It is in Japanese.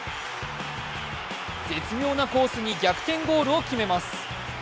絶妙なコースに逆転ゴールを決めます。